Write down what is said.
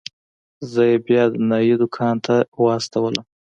زه يې بيا د نايي دوکان ته واستولم.